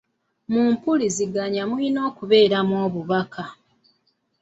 Mu mpuliziganya mulina okubeeramu obubaka.